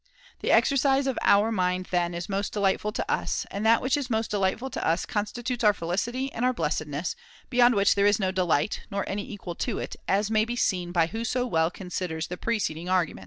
The exercise of our mind then is most delightful to us ; and that which is most delightful to us constitutes our felicity and our blessedness, beyond which there is no delight, nor any equal to it, as may be seen by whoso well considers the preceding argument.